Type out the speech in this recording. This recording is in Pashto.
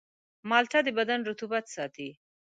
مالټه د بدن رطوبت ساتي.